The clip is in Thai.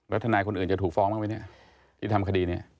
ทนายคนอื่นจะถูกฟ้องบ้างไหมเนี่ยที่ทำคดีนี้